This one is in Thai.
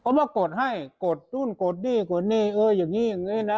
เขาว่ากดให้กดตรุ่นกดนี่กดนี่เอออย่างนี้อย่างนี้นะ